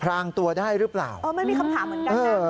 รางตัวได้หรือเปล่าเออมันมีคำถามเหมือนกันนะ